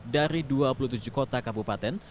dari dua puluh tujuh kota kabupaten